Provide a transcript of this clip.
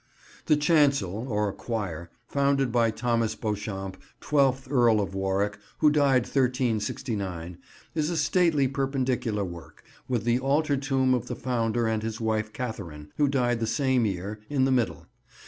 The chancel, or choir, founded by Thomas Beauchamp, twelfth Earl of Warwick, who died 1369, is a stately Perpendicular work, with the altar tomb of the founder and his wife Katharine, who died the same year, in the middle.